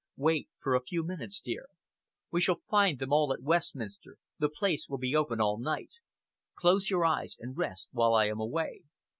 "Wait for a few minutes, dear. We shall find them all at Westminster the place will be open all night. Close your eyes and rest while I am away."